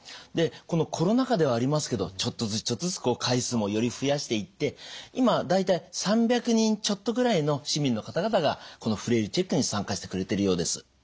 でこのコロナ禍ではありますけどちょっとずつちょっとずつ回数もより増やしていって今大体３００人ちょっとぐらいの市民の方々がこのフレイルチェックに参加してくれてるようです。